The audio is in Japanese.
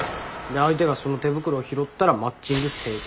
で相手がその手袋を拾ったらマッチング成功。